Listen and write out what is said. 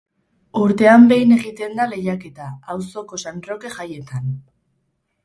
Urtean behin egiten da lehiaketa, auzoko San Roke jaietan.